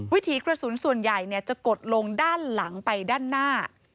วิถีกระสุนส่วนใหญ่จะกดลงด้านหลังไปด้านหน้า